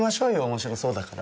面白そうだから。